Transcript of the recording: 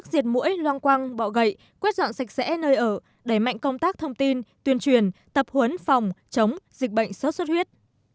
diệt mũi loang quang bọ gậy quét dọn sạch sẽ nơi ở đẩy mạnh công tác thông tin tuyên truyền tập huấn phòng chống dịch bệnh sốt xuất huyết